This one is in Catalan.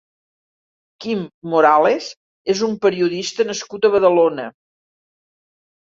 Quim Morales és un periodista nascut a Badalona.